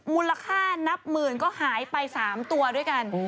มูลค่านับหมื่นก็หายไป๓ตัวด้วยกัน